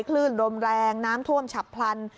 คลื่นลมแรงน้ำท่วมฉับพลัน